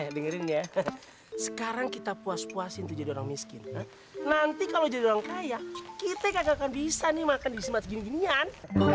dengerin ya sekarang kita puas puasin tuh jadi orang miskin nanti kalau jadi orang kaya kita gagalkan bisa nih makan di semat gini ginian